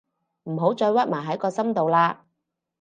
唔好再屈埋喺個心度喇